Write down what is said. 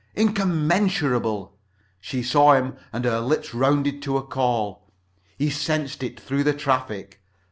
Incommensurable. She saw him and her lips rounded to a call. He sensed it through the traffic.